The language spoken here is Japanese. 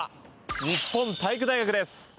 日本体育大学です！